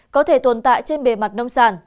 có thể tồn tại trên bề mặt nông sản